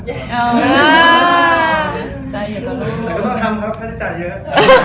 แต่ก็ต้องทำครับค่าใช้จ่ายเยอะ